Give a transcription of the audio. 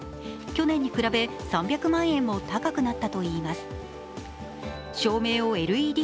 去年に比べ３００万円も高くなったといいます。